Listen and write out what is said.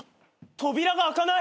扉が開かない。